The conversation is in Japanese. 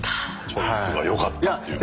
チョイスがよかったっていう。